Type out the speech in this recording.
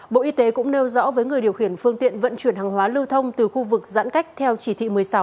bộ y tế cũng nêu rõ với người điều khiển phương tiện vận chuyển hàng hóa lưu thông từ khu vực giãn cách theo chỉ thị một mươi sáu